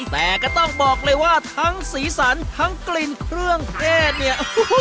แต่ก็ต้องบอกเลยว่าทั้งสีสันทั้งกลิ่นเครื่องเทศเนี่ย